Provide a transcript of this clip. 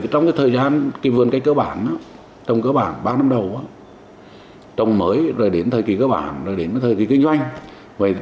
trong thời gian vươn cách cơ bản trong cơ bản ba năm đầu trong mới rồi đến thời kỳ cơ bản rồi đến thời kỳ kinh doanh